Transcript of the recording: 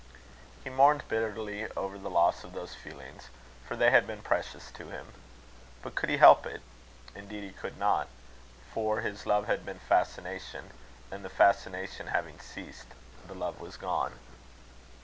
He mourned bitterly over the loss of those feelings, for they had been precious to him. But could he help it? Indeed he could not; for his love had been fascination; and the fascination having ceased, the love was gone.